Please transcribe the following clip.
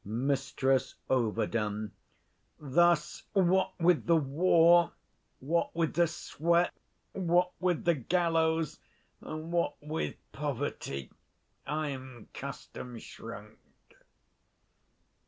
_ Mrs Ov. Thus, what with the war, what with the sweat, what with the gallows, and what with poverty, I am custom shrunk.